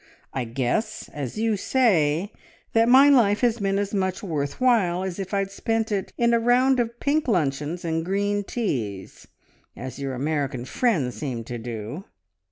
`I guess,' as you say, that my life as been as much `worth while' as if I'd spent it in a round of pink luncheons and green teas, as your American friends seem to do."